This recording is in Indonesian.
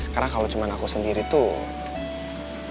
karena kalau cuma aku sendiri tuh